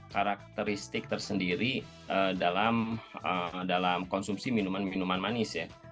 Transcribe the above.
karakteristik tersendiri dalam konsumsi minuman minuman manis ya